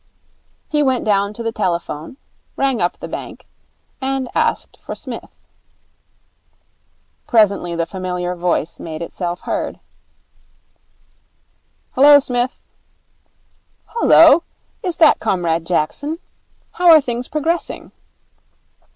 He went down to the telephone, rang up the bank, and asked for Psmith. Presently the familiar voice made itself heard. 'Hullo, Smith.' 'Hullo. Is that Comrade Jackson? How are things progressing?'